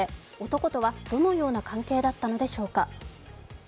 男とはどのような関係だったのでしょうか。